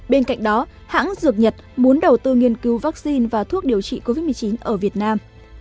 bên cạnh đó hãng dược nhật muốn đầu tư nghiên cứu vaccine và thuốc điều trị covid một mươi chín ở việt nam